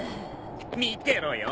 見てろよ。